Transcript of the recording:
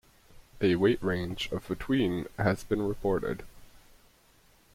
A weight range of between has been reported.